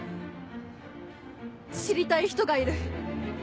知りたい人がいる。